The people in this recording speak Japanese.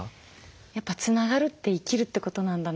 やっぱつながるって生きるってことなんだなって